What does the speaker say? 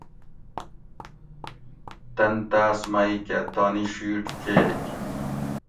تن تاۤس مئ کہ تانی شیٹ چیگ